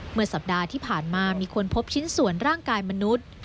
เมื่อสัปดาห์ที่ผ่านมามีคนพบชิ้นส่วนร่างกายมนุษย์